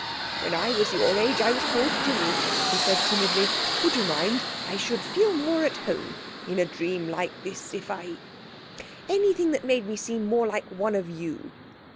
"When I was your age I was called Jimmy," he said timidly. "Would you mind? I should feel more at home in a dream like this if I—Anything that made me seem more like one of you."